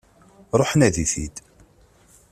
Ruḥ nadi-t-id!